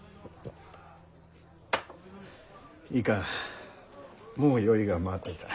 いかんもう酔いが回ってきた。